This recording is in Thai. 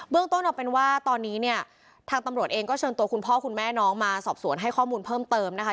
เรื่องต้นเอาเป็นว่าตอนนี้เนี่ยทางตำรวจเองก็เชิญตัวคุณพ่อคุณแม่น้องมาสอบสวนให้ข้อมูลเพิ่มเติมนะคะ